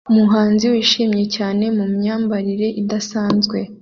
Umuhanzi wishimye cyane mumyambarire idasanzwe